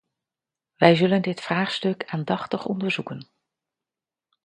Wij zullen dit vraagstuk aandachtig onderzoeken.